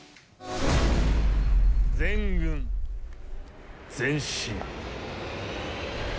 全軍前進。